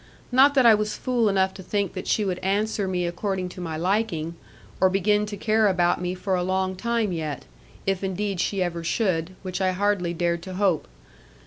Not that I was fool enough to think that she would answer me according to my liking, or begin to care about me for a long time yet; if indeed she ever should, which I hardly dared to hope.